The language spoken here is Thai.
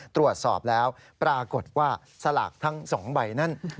ตรวจสอบแล้วปรากฏว่าสลากทั้ง๒ใบนั้น